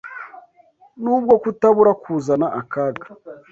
nubwo kutabura kuzana akaga